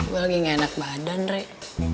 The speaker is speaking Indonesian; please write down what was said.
gue lagi nggak enak badan rey